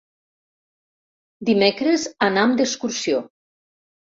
Dimecres anam d'excursió.